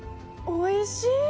おいしい！